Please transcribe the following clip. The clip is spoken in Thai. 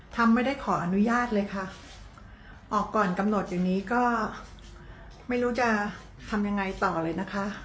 ไม่ได้ขออนุญาตเลยค่ะออกก่อนกำหนดอย่างนี้ก็ไม่รู้จะทำยังไงต่อเลยนะคะ